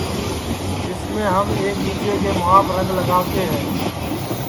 جسمیں ہم ایک دؔوجے کے مُہاپ رنگ لگاوتے ہے